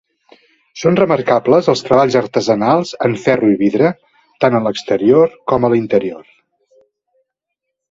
Són remarcables els treballs artesanals en ferro i vidre, tant a l'exterior com a l'interior.